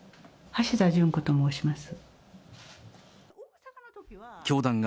橋田淳子と申します。